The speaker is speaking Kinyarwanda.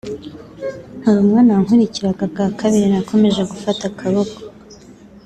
Hari umwana wankurikiraga bwa kabiri nakomeje gufata akaboko